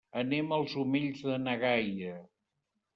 Anem als Omells de na Gaia.